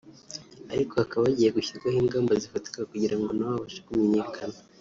ariko hakaba hagiye gushyirwaho ingamba zifatika kugira ngo nabo babashe kumenyekana